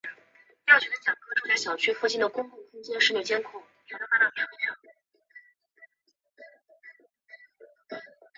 西大路站是一个位于京都市南区唐桥西平垣町之铁路车站。